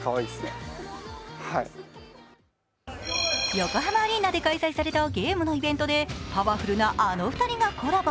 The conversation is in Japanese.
横浜アリーナで開催されたゲームのイベントでパワフルなあの２人がコラボ。